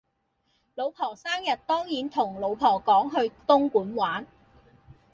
老婆生日當然同老婆講去東莞玩